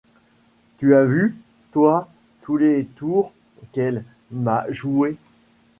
Tu as vu, toi, tous les tours qu'elle m'a joués !